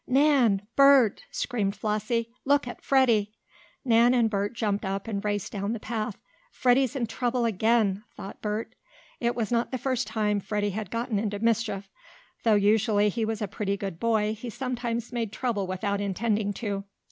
"Nan! Bert!" screamed Flossie. "Look at Freddie!" Nan and Bert jumped up and raced down the path. "Freddie's in trouble again!" thought Bert. It was not the first time Freddie had gotten into mischief. Though usually he was a pretty good boy, he sometimes made trouble without intending to.